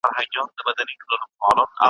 د ښادي د ځواني میني دلارام سو ,